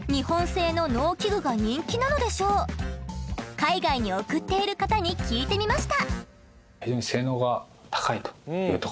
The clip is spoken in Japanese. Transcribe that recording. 海外に送っている方に聞いてみました。